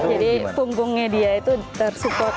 jadi punggungnya dia itu tersupport